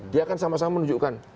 dia kan sama sama menunjukkan